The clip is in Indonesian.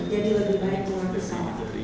jadi lebih baik mengaku salah